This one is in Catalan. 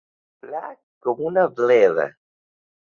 Flac com una bleda.